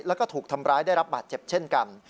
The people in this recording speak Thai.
แล้วก็ถูกทำร้ายได้รับบาดเจ็บเช่นกัน